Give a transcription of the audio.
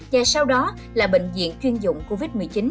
và sau đó là bệnh viện chuyên dụng covid một mươi chín